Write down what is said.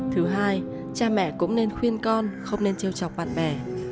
thứ hai cha mẹ cũng nên khuyên con không nên treo trọc bạn bè